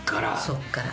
そっから。